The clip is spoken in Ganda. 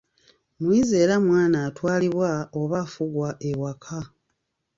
muyizi era mwana atwalibwa oba afugwa ewaka